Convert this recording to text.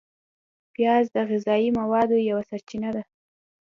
پیاز د غذایي موادو یوه سرچینه ده